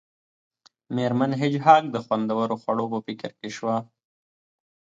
میرمن هیج هاګ د خوندورو خوړو په فکر کې شوه